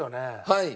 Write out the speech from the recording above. はい。